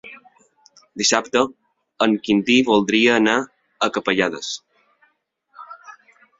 Dissabte en Quintí voldria anar a Capellades.